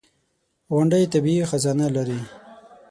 • غونډۍ طبیعي خزانه لري.